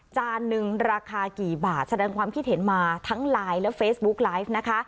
จานหนึ่งราคากี่บาทแสดงความคิดเห็นมาทั้งไลน์และเฟซบุ๊กไลฟ์นะคะ